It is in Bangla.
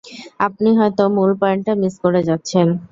আপনি হয়তো মূল পয়েন্টটা মিস করে যাচ্ছেন।